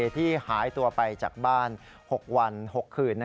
ที่หายตัวไปจากบ้าน๖วัน๖คืน